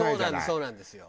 そうなんですよ。